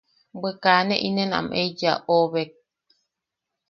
Bwe kaa ne inen am eiya oʼobek.